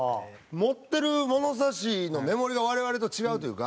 持ってる物差しの目盛りが我々と違うというか。